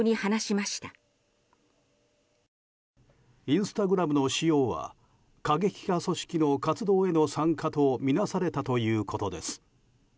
インスタグラムの使用は過激派組織の活動への参加とみなされたということです。